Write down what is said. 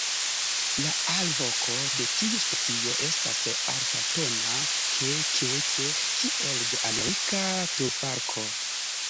La alvoko de tiu specio estas altatona "ke-ke-ke" kiel de Amerika turfalko.